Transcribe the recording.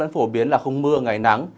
phổ biến là không mưa ngày nắng